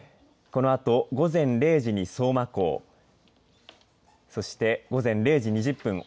このあと午前０時に相馬港そして午前０時２０分